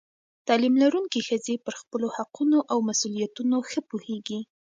تعلیم لرونکې ښځې پر خپلو حقونو او مسؤلیتونو ښه پوهېږي.